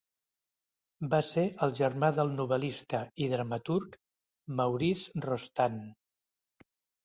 Va ser el germà del novel·lista i dramaturg Maurice Rostand.